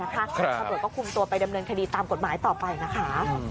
ตำรวจก็คุมตัวไปดำเนินคดีตามกฎหมายต่อไปนะคะ